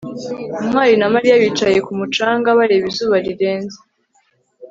ntwali na mariya bicaye ku mucanga, bareba izuba rirenze